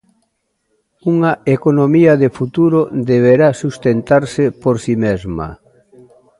Unha economía de futuro deberá sustentarse por sí mesma.